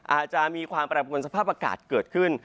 อาจจะมีความแปรปวนสภาพอากาศเกิดขึ้น